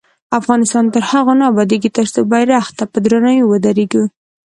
افغانستان تر هغو نه ابادیږي، ترڅو بیرغ ته په درناوي ودریږو.